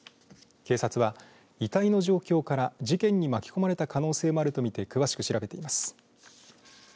警察は遺体の状況から事件に巻き込まれた可能性もあるとみて詳しく調べています。